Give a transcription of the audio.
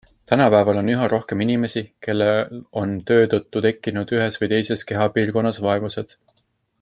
Tänapäeval on üha rohkem inimesi, kellel on töö tõttu tekkinud ühes või teises kehapiirkonnas vaevused.